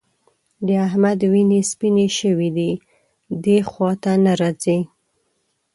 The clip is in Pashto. د احمد وینې سپيېنې شوې دي؛ دې خوا ته نه راځي.